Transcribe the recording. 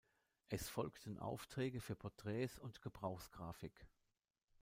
Es folgten Aufträge für Porträts und Gebrauchsgrafik.